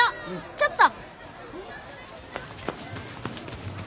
ちょっと。